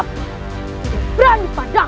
tidak berani padah